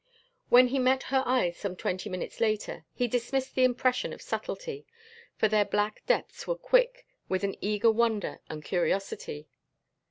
When he met her eyes some twenty minutes later, he dismissed the impression of subtlety, for their black depths were quick with an eager wonder and curiosity.